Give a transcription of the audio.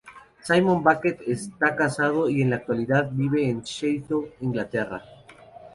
Simon Beckett está casado y en la actualidad vive en Sheffield, Inglaterra